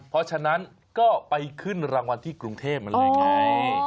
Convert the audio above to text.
เพราะฉะนั้นก็ไปขึ้นรางวัลที่กรุงเทพมันเลยไง